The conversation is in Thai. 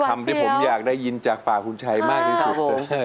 คำที่ผมอยากได้ยินจากปากคุณชัยมากที่สุด